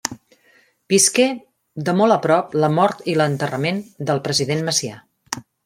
Visqué de molt a prop la mort i l'enterrament del president Macià.